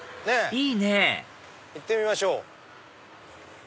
いいね行ってみましょう。